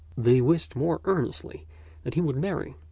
They wished most earnestly that he would marry.